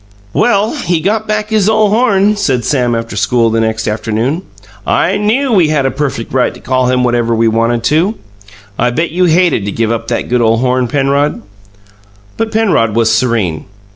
"Well, he got back his ole horn!" said Sam after school the next afternoon. "I KNEW we had a perfect right to call him whatever we wanted to! I bet you hated to give up that good ole horn, Penrod." But Penrod was serene.